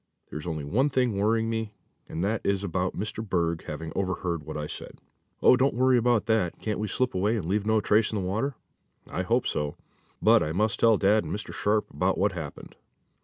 There's only one thing worrying me, and that is about Mr. Berg having overheard what I said." "Oh, don't worry about that. Can't we slip away and leave no trace in the water?" "I hope so, but I must tell dad and Mr. Sharp about what happened."